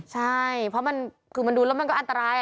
ใช่เพราะมันคือมันดูแล้วมันก็อันตราย